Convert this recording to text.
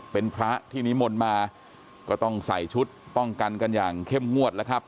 เป็นพระที่นิมนต์มาก็ต้องใส่ชุดป้องกันกันอย่างเข้มงวดแล้วครับ